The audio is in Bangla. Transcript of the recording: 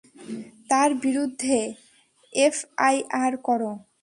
তার বিরুদ্ধে এফআইআর করো।